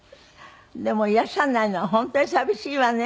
でもいらっしゃらないのは本当に寂しいわね。